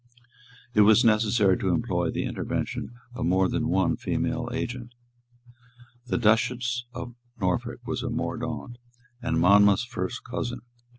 It was necessary to employ the intervention of more than one female agent. The Duchess of Norfolk was a Mordaunt, and Monmouth's first cousin.